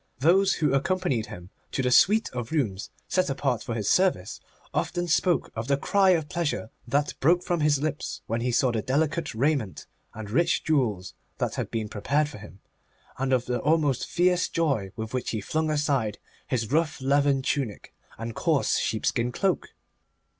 Those who accompanied him to the suite of rooms set apart for his service, often spoke of the cry of pleasure that broke from his lips when he saw the delicate raiment and rich jewels that had been prepared for him, and of the almost fierce joy with which he flung aside his rough leathern tunic and coarse sheepskin cloak.